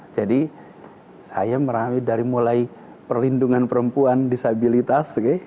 jadi saya meramai dari mulai perlindungan perempuan disabilitas